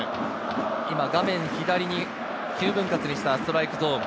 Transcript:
左に９分割にしたストライクゾーン。